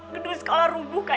gedung sekolah rubuh kak